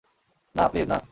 না, প্লীজ, না।